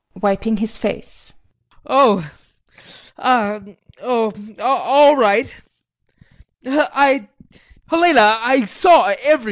[Wiping his face] Oh! Ah! Oh! All right! I Helena, I saw everything!